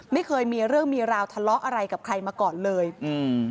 ไม่เคยมีเรื่องมีราวทะเลาะอะไรกับใครมาก่อนเลยอืม